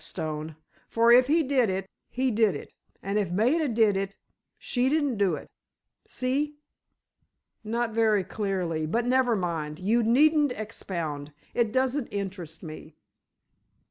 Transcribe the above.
Stone. For, if he did it, he did it. And if Maida did it—she didn't do it. See?" "Not very clearly; but never mind, you needn't expound. It doesn't interest me."